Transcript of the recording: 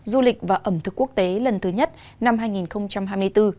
du lịch và ẩm thực quốc tế lần thứ nhất năm hai nghìn hai mươi bốn